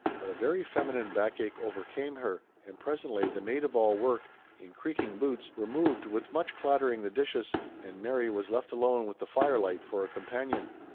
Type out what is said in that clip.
But a very feminine backache overcame her, and presently the maid of all work, in creaking boots, removed with much clattering the dishes, and Maiy was left alone with the fire light for a companion.